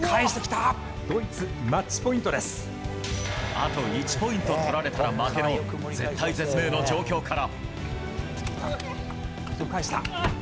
あと１ポイント取られたら負けの絶体絶命の状況から。